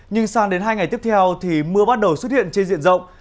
nhưng sang đến hai ngày tiếp theo thì mưa bắt đầu xuất hiện trên diện rộng